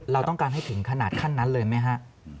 เราต้องการให้ถึงขนาดขั้นนั้นเลยไหมฮะ